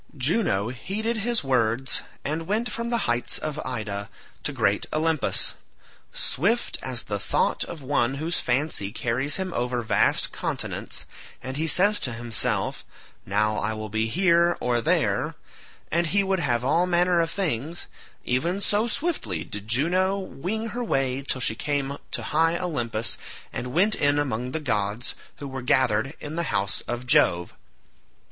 Juno heeded his words and went from the heights of Ida to great Olympus. Swift as the thought of one whose fancy carries him over vast continents, and he says to himself, "Now I will be here, or there," and he would have all manner of things—even so swiftly did Juno wing her way till she came to high Olympus and went in among the gods who were gathered in the house of Jove.